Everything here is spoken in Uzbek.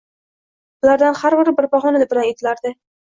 Bulardan har biri bir bahona bilan etilardi.